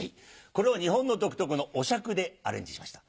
これを日本の独特のお酌でアレンジしました。